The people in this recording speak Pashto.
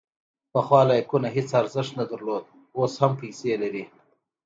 پخوا لایکونه هیڅ ارزښت نه درلود، اوس هم پیسې لري.